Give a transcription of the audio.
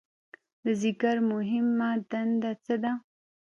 د ځیګر مهمه دنده څه ده؟